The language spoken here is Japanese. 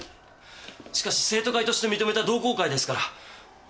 しかし生徒会として認めた同好会ですから。